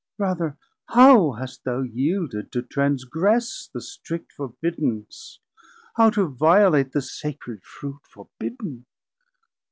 Rather how hast thou yeelded to transgress The strict forbiddance, how to violate The sacred Fruit forbidd'n!